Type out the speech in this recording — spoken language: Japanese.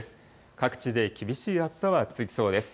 各地で厳しい暑さは続きそうです。